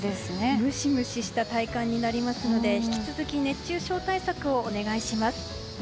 ムシムシした体感になりますので引き続き、熱中症対策をお願いします。